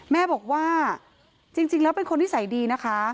แม่บอกว่าจริงแล้วเป็นคนนิสัยดีนะคะ